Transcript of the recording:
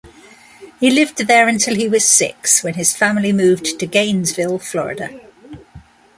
He lived there until he was six, when his family moved to Gainesville, Florida.